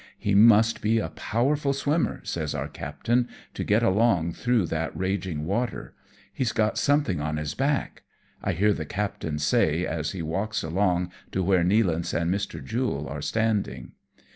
" He must be a powerful swimmer," says our captain, " to get along through that raging water. He's got something on his back," I hear the captain say as he walks along to where Nealance and Mr. Jule are standing.